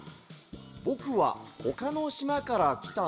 「ぼくはほかのしまからきたのダ。